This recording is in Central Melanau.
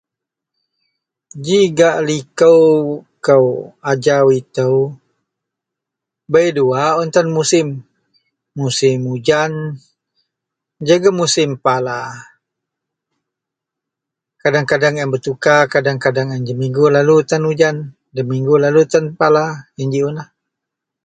. ji gak liko kou ajau itou, bei dua un tan musim, musim ujan jegum musim pala, kadeng-kadeng a yen bertukar kadeng-kadeng jemingu lalu tan ujan, jemingu lalu tan pala yen ji un lah